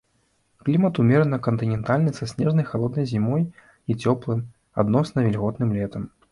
Клімат умерана кантынентальны са снежнай халоднай зімой і цёплым, адносна вільготным летам.